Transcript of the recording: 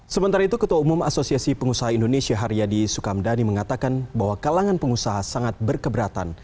sementara itu ketua umum asosiasi pengusaha indonesia haryadi sukamdhani mengatakan bahwa kalangan pengusaha sangat berkeberatan